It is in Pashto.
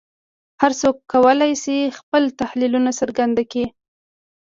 هر څوک وکولای شي خپل تحلیلونه څرګند کړي